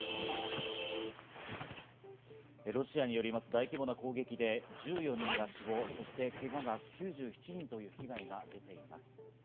大規模な攻撃で１４人が死亡、そしてけがが９７人という被害が出ています。